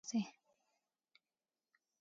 زده کړه د خنډونو پرته د پرمختګ لپاره اساس دی.